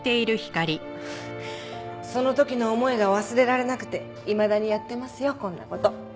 その時の思いが忘れられなくていまだにやってますよこんな事。